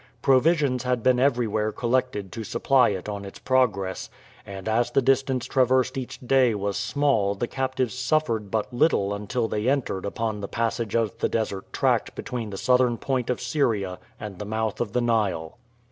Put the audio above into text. Provisions had been everywhere collected to supply it on its progress, and as the distance traversed each day was small the captives suffered but little until they entered upon the passage of the desert tract between the southern point of Syria and the mouth of the Nile.